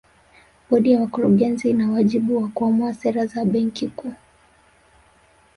Bodi ya Wakurugenzi ina wajibu wa kuamua sera za Benki Kuu